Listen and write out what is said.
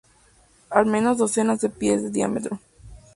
Al menos docenas de pies de diámetro.